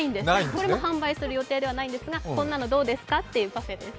これも、販売する予定はないんですが、こんなのどうですか？というパフェです